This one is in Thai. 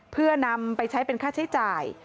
เพื่อนำไปใช้เป็นค่าใช้จ่าย